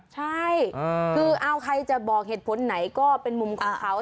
ใช่คือเอาใครจะบอกเหตุผลไหนก็เป็นมุมของเขา